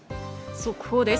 速報です。